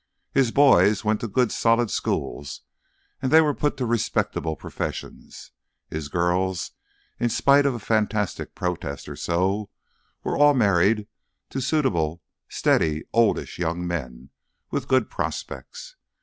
His boys went to good solid schools, and were put to respectable professions; his girls, in spite of a fantastic protest or so, were all married to suitable, steady, oldish young men with good prospects.